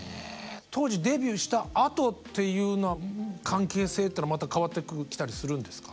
当時デビューしたあとっていうのは関係性っていうのはまた変わってきたりするんですか？